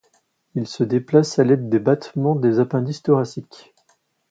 Ils se déplacent à l'aide des battements des appendices thoraciques.